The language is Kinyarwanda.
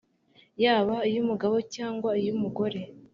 yaba iy’umugabo cyangwa iy’umugore,